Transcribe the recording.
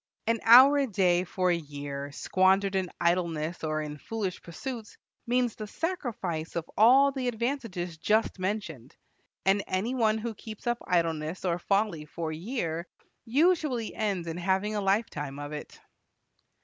An hour a day for a year squandered in idleness or in foolish pursuits means the sacrifice of all the advantages just mentioned. And any one who keeps up idleness or folly for a year, usually ends in having a lifetime of it.